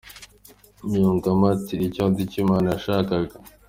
Yungamo ati” Icyo si cyo Imana yashakaga.